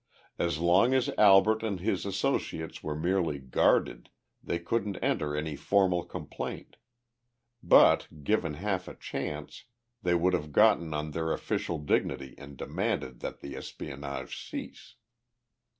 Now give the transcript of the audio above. As long as Albert and his associates were merely "guarded" they couldn't enter any formal complaint. But, given half a chance, they would have gotten on their official dignity and demanded that the espionage cease.